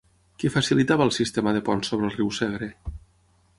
Què facilitava el sistema de ponts sobre el riu Segre?